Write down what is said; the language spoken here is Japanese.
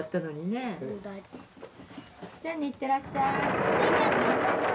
じゃあねいってらっしゃい。